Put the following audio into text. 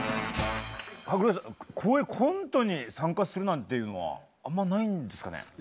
こういうコントに参加するなんていうのはあんまないんですかね？